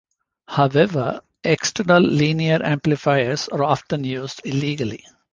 However, external linear amplifiers are often used illegally.